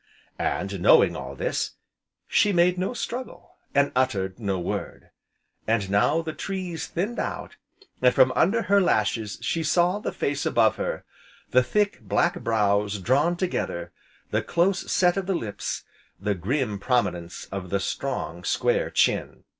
And, knowing all this, she made no struggle, and uttered no word. And now the trees thinned out, and, from under her lashes she saw the face above her; the thick, black brows drawn together, the close set of the lips, the grim prominence of the strong, square chin.